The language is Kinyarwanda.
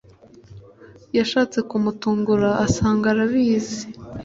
yashatse kumutungura asanga arabizi